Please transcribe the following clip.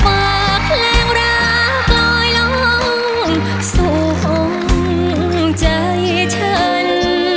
ปากแหลงรากลอยลงสู่ห่องใจฉัน